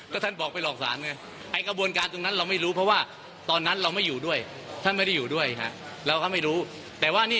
ก็ท่านบอกไปหลอกศาลไงไอ้กระบวนการตรงนั้นเราไม่รู้เพราะว่า